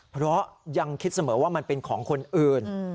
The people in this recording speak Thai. เพราะยังคิดเสมอว่ามันเป็นของคนอื่น